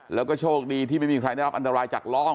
แล้วก็โชคดีที่ไม่มีใครได้รับอันตรายจากร่อง